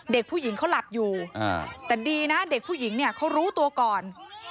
เด็กผู้หญิงเขาหลับอยู่แต่ดีนะเด็กผู้หญิงเนี่ยเขารู้ตัวก่อน